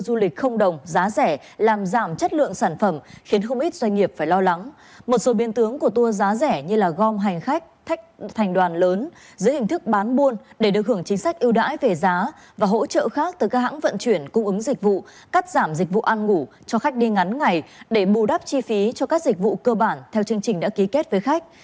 đến không ít doanh nghiệp phải lo lắng một số biên tướng của tour giá rẻ như là gom hành khách thành đoàn lớn giữa hình thức bán buôn để được hưởng chính sách ưu đãi về giá và hỗ trợ khác từ các hãng vận chuyển cung ứng dịch vụ cắt giảm dịch vụ ăn ngủ cho khách đi ngắn ngày để bù đắp chi phí cho các dịch vụ cơ bản theo chương trình đã ký kết với khách